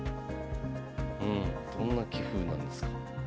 うんどんな棋風なんですか？